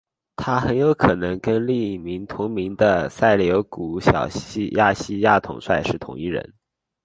他很有可能跟另一位同名的塞琉古小亚细亚统帅是同一人。